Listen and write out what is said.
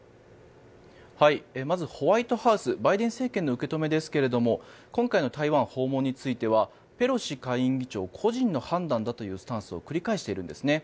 まず、ホワイトハウスバイデン政権の受け止めですが今回の台湾訪問についてはペロシ下院議長個人の判断だというスタンスを繰り返しているんですね。